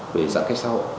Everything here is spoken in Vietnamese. về giãn cách sau